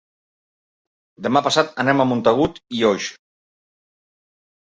Demà passat anem a Montagut i Oix.